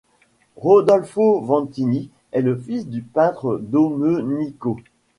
Rodolfo Vantini est le fils du peintre Domenico.